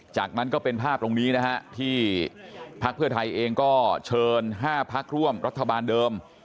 จากนั้นก็เป็นภาพตรงนี้นะฮะที่พักเพื่อไทยเองก็เชิญ๕พักร่วมรัฐบาลเดิม